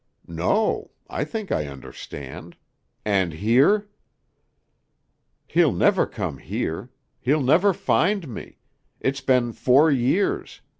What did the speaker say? "No. I think I understand. And here?" "He'll never come here. He'll never find me. It's been four years.